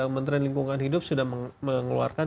menteri lingkungan hidup sudah mengeluarkan